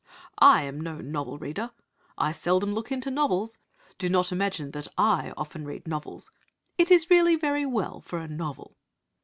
'I am no novel reader. I seldom look into novels. Do not imagine that 'I often read novels. It is really very well for a novel.'